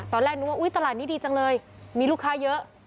ตอนแรกนึกว่าอุ๊ยตลาดนี้ดีจังเลยมีลูกค้าเยอะ